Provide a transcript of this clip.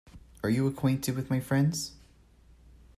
Are you acquainted with my friends?